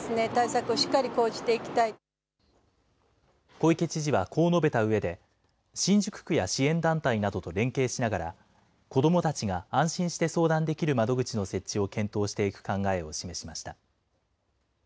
小池知事はこう述べたうえで、新宿区や支援団体などと連携しながら、子どもたちが安心して相談できる窓口の設置を検討していく考えを示しました。